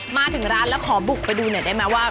มาถึงร้านแล้วขอบุกไปดูหน่อยได้ไหมว่า